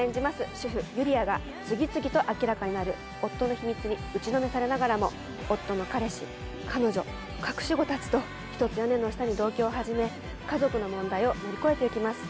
主婦ゆりあが次々と明らかになる夫の秘密に打ちのめされながらも夫の彼氏彼女隠し子たちとひとつ屋根の下に同居を始め家族の問題を乗り越えていきます。